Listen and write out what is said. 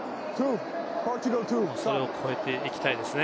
それを超えていきたいですね。